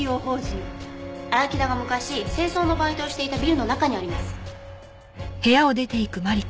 荒木田が昔清掃のバイトをしていたビルの中にあります。